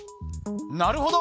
なるほど！